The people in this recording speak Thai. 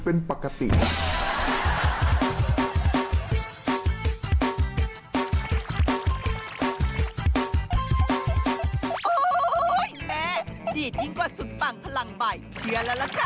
โอ้ยแม่ดีจิ้งกว่าสุดปั่งพลังใบเชียร์แล้วละครับ